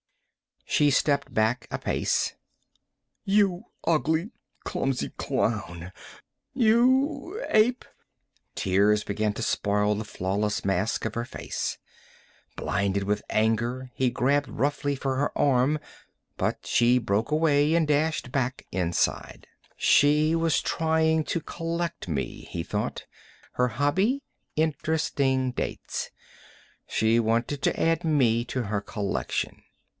She stepped back a pace. "You ugly, clumsy clown. You ape!" Tears began to spoil the flawless mask of her face. Blinded with anger, he grabbed roughly for her arm, but she broke away and dashed back inside. She was trying to collect me, he thought. Her hobby: interesting dates. She wanted to add me to her collection.